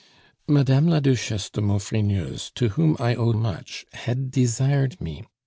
"Madame la Duchesse de Maufrigneuse, to whom I owe much, had desired me..."